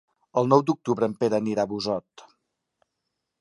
El nou d'octubre en Pere anirà a Busot.